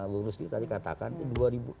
bu nusli tadi katakan itu dua ribu